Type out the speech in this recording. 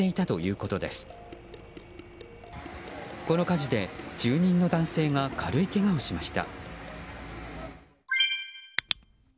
この火事で住人の男性が軽いけがをしました。